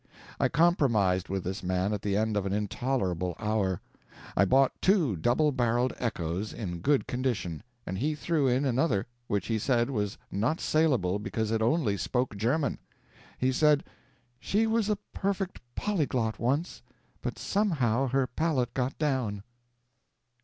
I compromised with this man at the end of an intolerable hour. I bought two double barreled echoes in good condition, and he threw in another, which he said was not salable because it only spoke German. He said, "She was a perfect polyglot once, but somehow her palate got down."